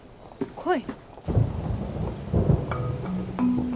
来い？